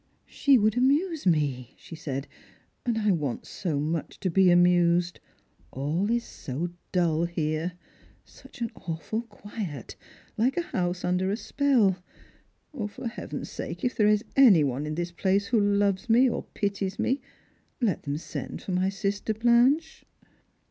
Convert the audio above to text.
" She would amuse me," she said, "and I want so much to be amused ; all is so dull here, such an awful quiet, hke a house tinder a spelL For Heaven's sake, if there is any one in this place who loves me, or pities me, let them send for my sister Blanche."